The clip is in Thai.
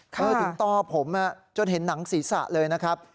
ถึงต่อผมจนเห็นหนังศีรษะเลยนะครับ